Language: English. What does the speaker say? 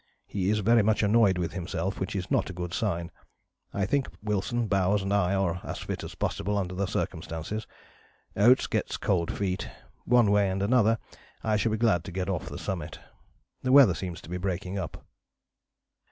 He is very much annoyed with himself, which is not a good sign. I think Wilson, Bowers and I are as fit as possible under the circumstances. Oates gets cold feet. One way and another I shall be glad to get off the summit!... The weather seems to be breaking up."